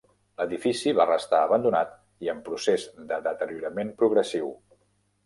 L'edifici va restar abandonat i en procés de deteriorament progressiu.